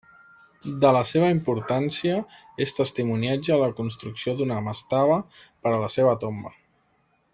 De la seva importància és testimoniatge la construcció d'una mastaba per a la seva tomba.